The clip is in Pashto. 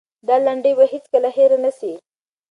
دا لنډۍ به هېڅکله هېره نه سي.